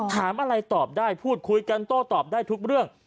ถามอะไรตอบได้พูดคุยกันโต้ตอบได้ทุกเรื่อง